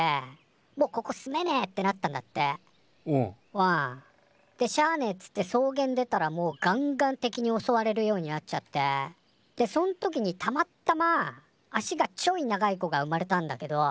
うん。でしゃあねえっつって草原出たらもうガンガン敵におそわれるようになっちゃってでそん時にたまったま足がちょい長い子が生まれたんだけど